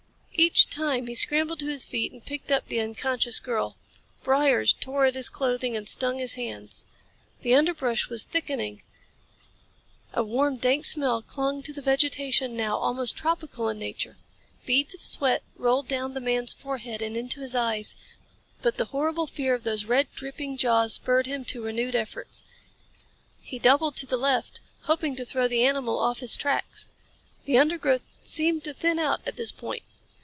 Each time he scrambled to his feet and picked up the unconscious girl. Briars tore at his clothing and stung his hands. The underbrush was thickening. A warm, dank smell clung to the vegetation now almost tropical in nature. Beads of sweat rolled down the man's forehead and into his eyes. But the horrible fear of those red, dripping jaws spurred him to renewed efforts. He doubled to the left, hoping to throw the animal off his tracks. The undergrowth seemed to thin out at this point.